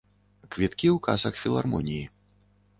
Квіткі ў касах філармоніі.